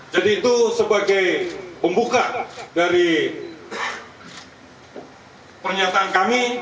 jadi itu sebagai pembuka dari pernyataan kami